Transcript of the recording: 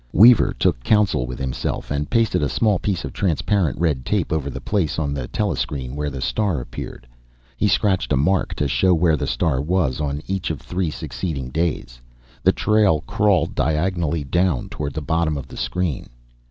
Weaver took counsel with himself, and pasted a small piece of transparent red tape over the place on the telescreen where the star appeared. He scratched a mark to show where the star was on each of three succeeding "days." The trail crawled diagonally down toward the bottom of the screen.